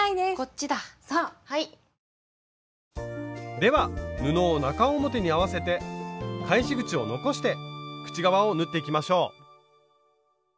では布を中表に合わせて返し口を残して口側を縫っていきましょう。